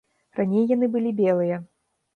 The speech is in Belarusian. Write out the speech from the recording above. Раней яны былі белыя.